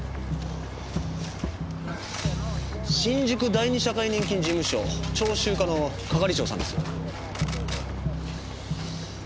新宿第２社会年金事務所徴収課の係長さんです。